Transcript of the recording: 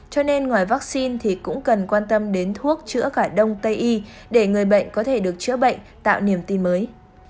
cho nên ngoài vaccine thì cũng cần quan tâm đến thuốc chữa cả đông tây y để người bệnh có thể được chữa bệnh tạo niềm tin mới